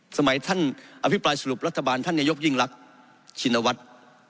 สมัยท่านอภิปรายสรุปรัฐบาลท่านนายกยิ่งรักชินวัฒน์